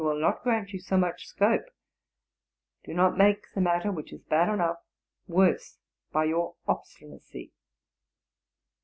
will not grant you so much scope. Do not make the matter, which is bad enough, worse hy your obstinacy."